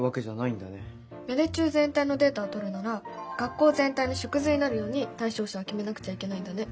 芽出中全体のデータをとるなら学校全体の縮図になるように対象者を決めなくちゃいけないんだね。